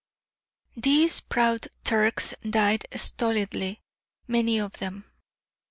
These proud Turks died stolidly, many of them.